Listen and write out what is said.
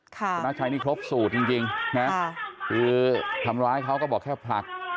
ชนะชัยนี่ครบสูตรจริงนะคือทำร้ายเขาก็บอกแค่ผลัก